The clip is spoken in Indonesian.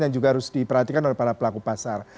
yang juga harus diperhatikan oleh para pelaku pasar